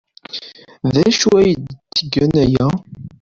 D acu ay d-yettgen aya?